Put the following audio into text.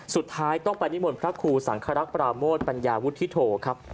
สุดท้ายต้องไปนิมนต์พระครูสังครักษ์ปราโมทปัญญาวุฒิโธครับ